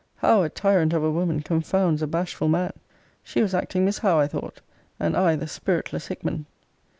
How a tyrant of a woman confounds a bashful man! She was acting Miss Howe, I thought; and I the spiritless Hickman.